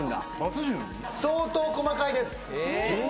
相当細かいですえっ